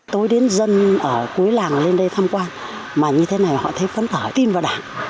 tôi đến dân ở cuối làng lên đây tham quan mà như thế này họ thấy phấn khởi tin vào đảng